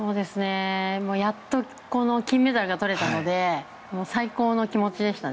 やっとこの金メダルが取れたので最高の気持ちでしたね。